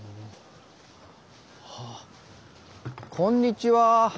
こんにちは。